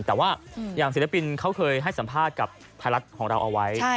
แต่ว่าอย่างศิลปินเขาเคยให้สัมภาษณ์กับไทยรัฐของเราเอาไว้